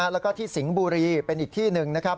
แล้วก็ที่สิงห์บุรีเป็นอีกที่หนึ่งนะครับ